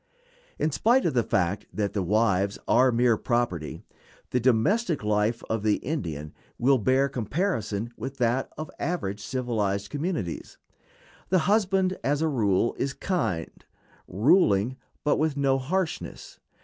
In spite of the fact that the wives are mere property, the domestic life of the Indian will bear comparison with that of average civilized communities. The husband, as a rule, is kind; ruling, but with no harshness.